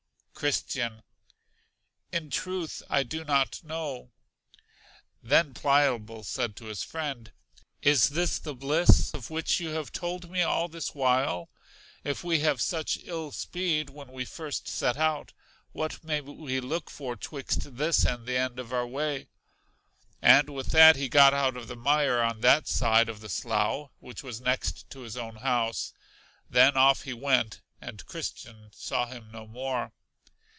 Christian. In truth, I do no know. Then Pliable said to his friend, Is this the bliss of which you have told me all this while? If we have such ill speed when we first set out, what may we look for twixt this and the end of our way? And with that he got out of the mire on that side of the slough which was next to his own house; then off he went, and Christian saw him no more.